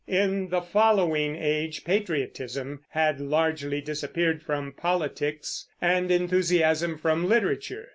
In the following age patriotism had largely disappeared from politics and enthusiasm from literature.